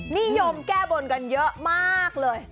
นิยมแก้บนกันเยอะมากเลย